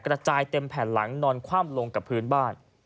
กระจายเต็มแผ่นหลังนอนคว่ำลงกับพื้นบ้าน